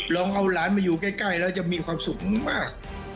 ลองเอาหลานมาอยู่ใกล้แล้วจะมีความสุขมาก